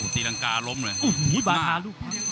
สีรังการล้มเลย